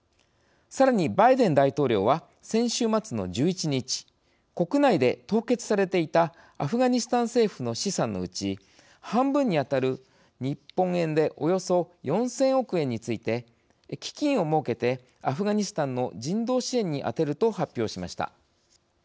さらにバイデン大統領は先週末の１１日国内で凍結されていたアフガニスタン政府の資産のうち半分に当たる、日本円でおよそ４０００億円について基金を設けてアフガニスタンの人道支援に充てると発表しました。